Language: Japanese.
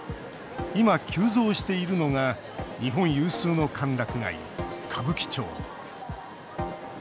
今、急増しているのが日本有数の歓楽街、歌舞伎町。